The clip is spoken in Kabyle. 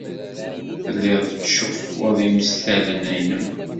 Telliḍ tettcuffuḍ imastalen-nnem.